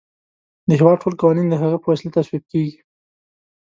د هیواد ټول قوانین د هغې په وسیله تصویب کیږي.